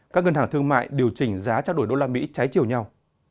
các ngân hàng thương mại điều chỉnh giá trao đổi đô la mỹ trái chiều nhau